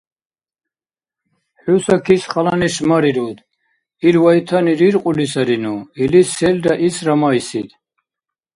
– ХӀу Сакис хала неш марируд. Ил вайтани риркьули сарину, илис селра исра майсид.